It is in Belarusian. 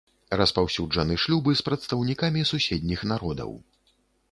Распаўсюджаны шлюбы з прадстаўнікамі суседніх народаў.